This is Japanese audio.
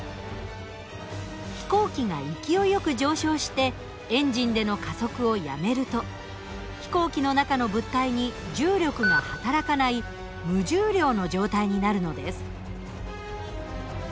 飛行機が勢いよく上昇してエンジンでの加速をやめると飛行機の中の物体に重力が働かない無重量の状態になるのです。